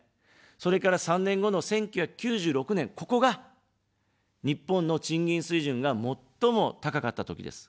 それから３年後の１９９６年、ここが、日本の賃金水準が最も高かったときです。